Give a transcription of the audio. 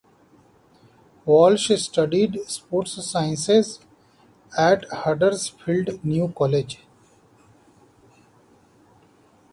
Walsh studied sports sciences at Huddersfield New College.